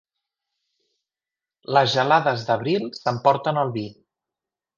Les gelades d'abril s'emporten el vi.